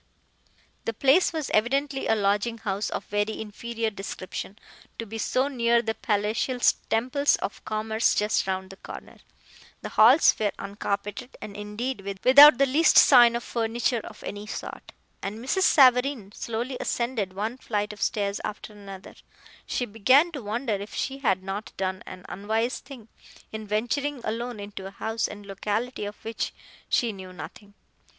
The place was evidently a lodging house of very inferior description to be so near the palatial temples of commerce just round the corner. The halls were uncarpeted, and, indeed, without the least sign of furniture of any sort. As Mrs. Savareen slowly ascended one flight of stairs after another, she began to wonder if she had not done an unwise thing in venturing alone into a house and locality of which she knew nothing.